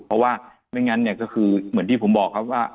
เพราะว่าไม่งั้นเนี่ยก็คือเหมือนที่ผมบอกครับว่า